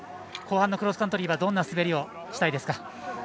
後半のクロスカントリーはどんな滑りをしたいですか？